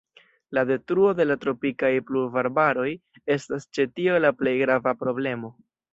La detruo de la tropikaj pluvarbaroj estas ĉe tio la plej grava problemo.